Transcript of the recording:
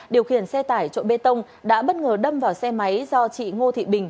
điều khiển xe tải trộn bê tông đã bất ngờ đâm vào xe máy do chị ngô thị bình